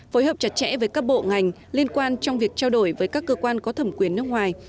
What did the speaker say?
phối hợp chặt chẽ với các bộ ngành liên quan trong việc trao đổi với các cơ quan có thẩm quyền nước ngoài